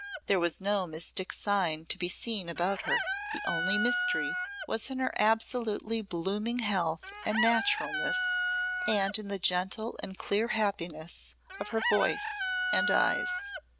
There was no mystic sign to be seen about her. The only mystery was in her absolutely blooming health and naturalness and in the gentle and clear happiness of her voice and eyes.